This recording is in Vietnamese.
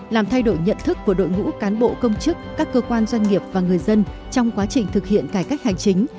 làm thay đổi nhận thức của đội ngũ cán bộ công chức các cơ quan doanh nghiệp và người dân trong quá trình thực hiện cải cách hành chính